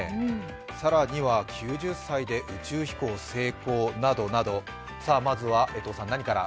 更には９０歳で宇宙飛行成功などなどまずは何から？